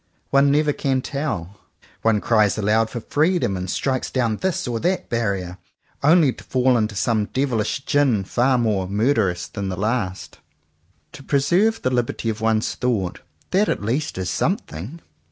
One never can tell ! One cries aloud for freedom, and strikes down this or that barrier, only to fall into some devilish gin far more 68 JOHN COWPER POWYS murderous than the last. To preserve the Hberty of one's thoughts, — that at least is something!